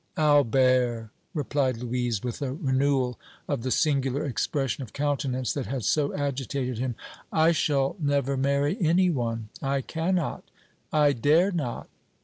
"Albert," replied Louise, with a renewal of the singular expression of countenance that had so agitated him, "I shall never marry any one; I cannot I dare not!"